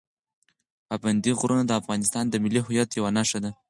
پابندي غرونه د افغانستان د ملي هویت یوه نښه ده.